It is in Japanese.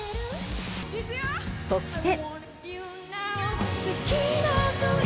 そして。